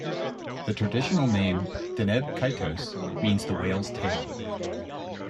The traditional name "Deneb Kaitos" means "the whale's tail".